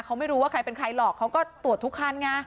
เขาไม่รู้ว่าใครเป็นใครหรอกเขาก็ตรวจทุกคันไง